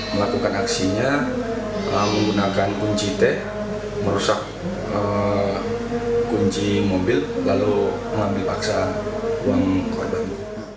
melakukan aksinya menggunakan kunci t merusak kunci mobil lalu mengambil paksa uang korban